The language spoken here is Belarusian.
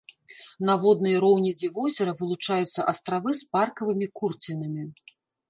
На воднай роўнядзі возера вылучаюцца астравы з паркавымі курцінамі.